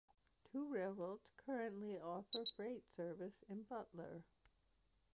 Two railroads currently offer freight service in Butler.